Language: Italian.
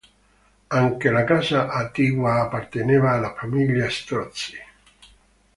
Anche la casa attigua apparteneva alla famiglia Strozzi.